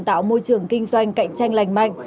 tạo môi trường kinh doanh cạnh tranh lành mạnh